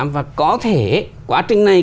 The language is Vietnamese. và có thể quá trình này